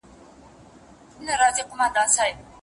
آیا د غرمې ډوډۍ تر ماښام ډوډۍ درنه وي؟